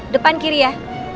depan kiri ya